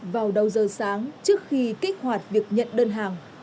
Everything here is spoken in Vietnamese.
vào đầu giờ sáng trước khi kích hoạt việc nhận đơn hàng